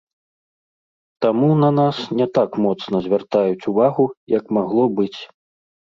Таму на нас не так моцна звяртаюць увагу, як магло быць.